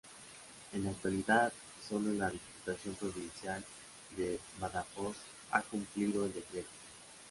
En la actualidad, sólo la Diputación Provincial de Badajoz ha cumplido el Decreto.